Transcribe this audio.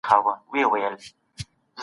ولي د اقلیتونو حقونو ته باید بشپړ درناوی وشي؟